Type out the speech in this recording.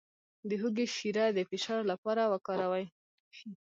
د هوږې شیره د فشار لپاره وکاروئ